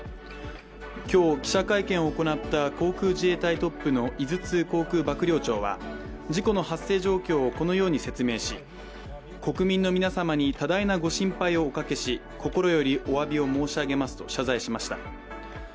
今日記者会見を行った航空自衛隊トップの井筒航空幕僚長は事故の発生状況をこのように説明し、国民の皆様に多大なご心配をおかけし、心よりお詫びを申し上げますと謝罪しました。